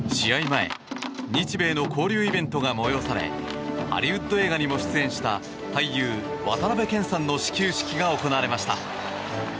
前日米の交流イベントが催されハリウッド映画にも出演した俳優渡辺謙さんの始球式が行われました。